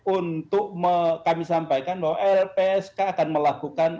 untuk kami sampaikan bahwa lpsk akan melakukan